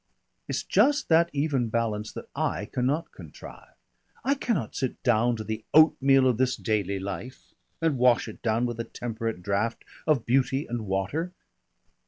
It's just that even balance that I cannot contrive. I cannot sit down to the oatmeal of this daily life and wash it down with a temperate draught of beauty and water.